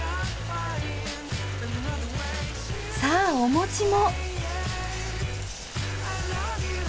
さあお餅も。